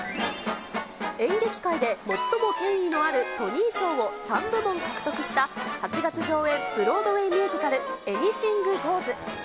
演劇界で最も権威のあるトニー賞を３部門獲得した８月上演、ブロードウエイ・ミュージカル、エニシング・ゴーズ。